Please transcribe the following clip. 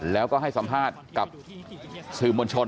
แล้วก็ให้สัมภาษณ์กับสื่อมวลชน